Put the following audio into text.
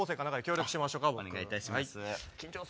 お願いいたします。